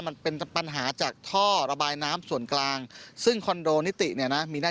มันเป็นปัญหาจากท่อระบายน้ำส่วนกลางซึ่งคอนโดนิติเนี่ยนะมีหน้า